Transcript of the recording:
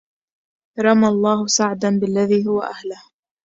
رمى الله سعدا بالذي هو أهله